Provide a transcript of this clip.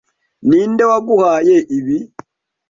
Ninde waguhaye ibi?